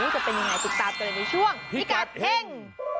จะเป็นยังไงติดตามเลยในช่วงพิกัดเฮ่ง